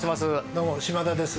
どうも、島田です。